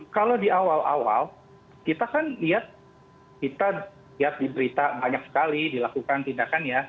kalau di awal awal kita kan lihat kita lihat di berita banyak sekali dilakukan tindakan ya